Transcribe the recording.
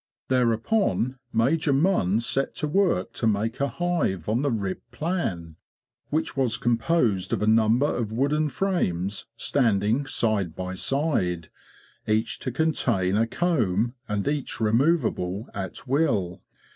Thereupon Major Munn set to work to make a hive on the rib plan, which was composed of a number of wooden frames standing side by side, each to contain a comb and each removable at will.